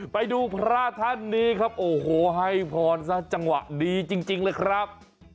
ไปดูพระท่านนี้ครับโอ้โหให้พรซะจังหวะดีจริงเลยครับ